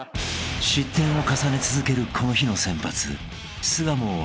［失点を重ね続けるこの日の先発スガモを諦め